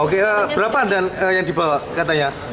oke berapa yang dibawa katanya